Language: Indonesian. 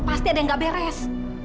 pasti ada yang gak beres